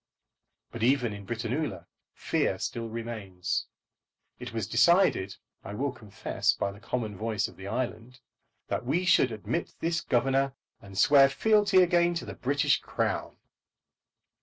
But even in Britannula fear still remains. It was decided, I will confess by the common voice of the island, that we should admit this Governor, and swear fealty again to the British Crown.